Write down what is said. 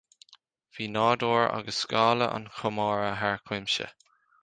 Bhí nádúr agus scála an chomórtha thar cuimse